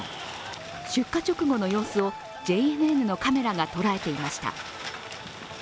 出火直後の様子をＪＮＮのカメラが捉えていました。